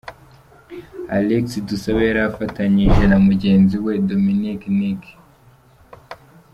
Alexis Dusabe yari afatanyije na mugenzi we Dominic Nic.